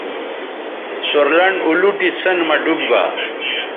سور لنڈ اولوٹی سیئن مہ ڈوب گا